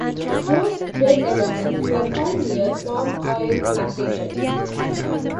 Most dead elephants were found near palm oil plantations.